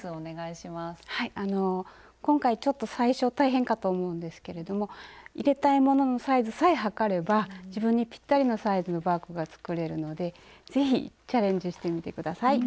今回ちょっと最初大変かと思うんですけれども入れたいもののサイズさえ測れば自分にぴったりのサイズのバッグが作れるので是非チャレンジしてみて下さい。